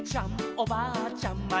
おばあちゃんまで」